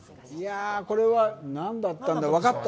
これは何だったんだろう分かった？